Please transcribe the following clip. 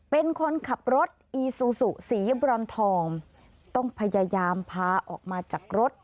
เป็นคนขับรถอีซูซูสีบรอนทองต้องพยายามพาออกมาจากรถ